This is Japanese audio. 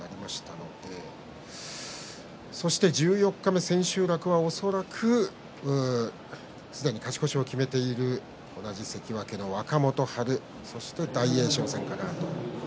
十四日目、千秋楽は恐らくすでに勝ち越しを決めている同じ関脇の若元春そして大栄翔戦かなと。